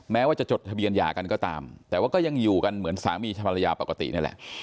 แม้ว่าจะจดทะเบียนหย่ากันก็ตามแต่ว่าก็ยังอยู่กันเหมือนสามีชะภรรยาปกตินี่แหละ